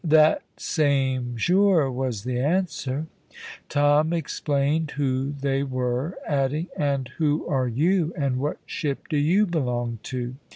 "That same sure," was the answer. Tom explained who they were, adding, "And who are you, and what ship do you belong to?"